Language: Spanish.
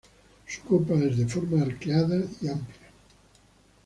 Su copa de forma arqueada y es amplia.